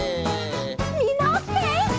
みんなおきて！